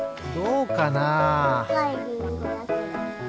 どうかな？